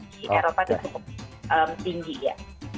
di eropa itu cukup tinggi ya